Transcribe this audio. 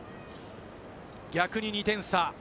逆に２点差。